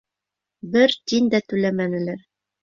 Бер тин дә түләмәнеләр.